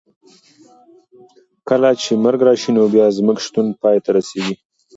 کله چې مرګ راشي نو بیا زموږ شتون پای ته رسېږي.